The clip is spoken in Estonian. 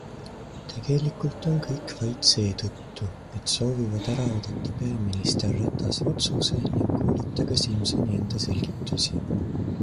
Tegelikult on kõik vait seetõttu, et soovivad ära oodata peaminister Ratase otsuse ning kuulata ka Simsoni enda selgitusi.